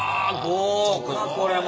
豪華これも。